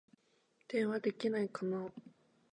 電話できないかな